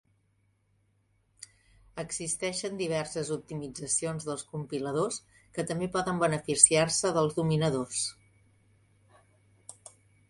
Existeixen diverses optimitzacions dels compiladors que també poden beneficiar-se dels dominadors.